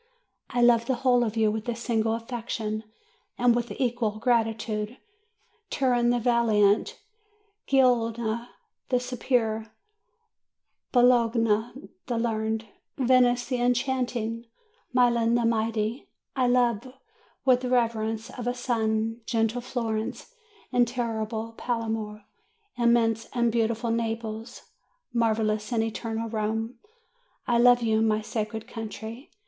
I love the whole of you, with a single affection and with equal gratitude, Turin the valiant, Genoa the superb, Bologna the learned, Venice the enchanting, Milan the mighty; I love with the reverence of a son, gentle Florence and terrible Palermo, immense and beautiful Naples, marvellous and eternal Rome. I love you, my sacred country!